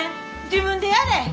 自分でやれ！